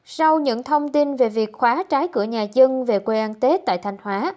sau những thông tin về việc khóa trái cửa nhà dân về quê ăn tết tại thanh hóa